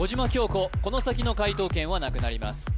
古この先の解答権はなくなります